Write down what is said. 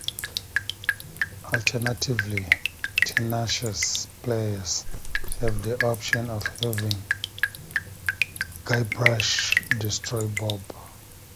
Alternatively, tenacious players have the option of having Guybrush destroy Bob.